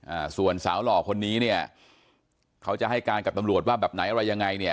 อ่าส่วนสาวหล่อคนนี้เนี่ยเขาจะให้การกับตำรวจว่าแบบไหนอะไรยังไงเนี่ย